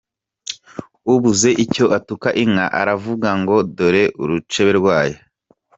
Ubuze icyo atuka inka aravuga ngo dore urucebe rwayo.”